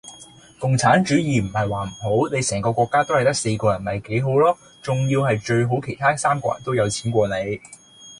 共產主義唔系話唔好，你成個國家都系得四個人咪幾好羅!仲要系最好其它嗰三個人都有錢過你!